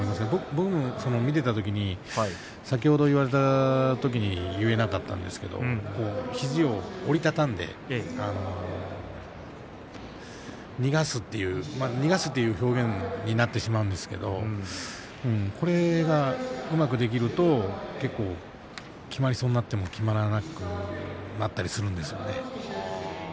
僕は見ていたときに先ほど言われたときに言えなかったんですけれど肘を折り畳んで逃がすという表現になってしまうんですがそれが、うまくできると結構きまりそうになってもきまらなくなったりするんです。